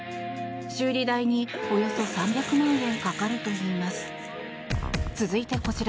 修理代におよそ３００万円かかるといいます。